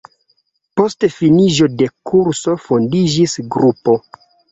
Post finiĝo de kurso fondiĝis grupo.